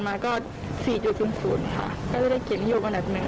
มาก็สี่เจ้าคืนศูนย์ค่ะก็จะได้เก็บยกอันดับหนึ่ง